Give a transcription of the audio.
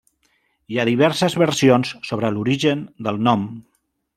Hi ha diverses versions sobre l'origen del nom.